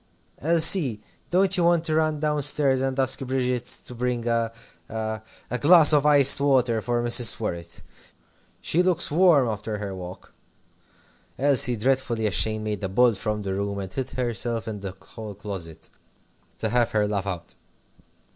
Elsie, don't you want to run down stairs and ask Bridget to bring a a a glass of iced water for Mrs. Worrett? She looks warm after her walk." Elsie, dreadfully ashamed, made a bolt from the room, and hid herself in the hall closet to have her laugh out.